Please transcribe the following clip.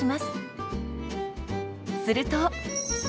すると。